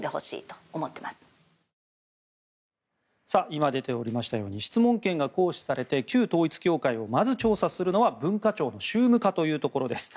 今出ておりましたように質問権が行使されて旧統一教会をまず調査するのは文化庁の宗務課というところです。